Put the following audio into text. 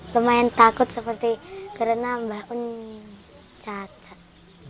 lumayan takut seperti karena mbah pun cacat